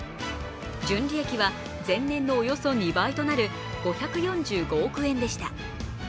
純利益は前年のおよそ２倍となる５４５億円でした。